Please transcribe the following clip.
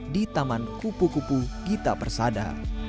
di taman kupu kupu gita persada